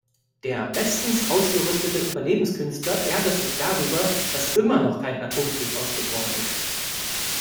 Der bestens ausgerüstete Überlebenskünstler ärgert sich darüber, dass immer noch kein Atomkrieg ausgebrochen ist.